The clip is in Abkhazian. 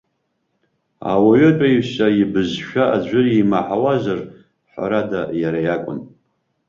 Ауаҩытәыҩса ибызшәа аӡәыр имаҳауазар, ҳәарада, иара иакәын.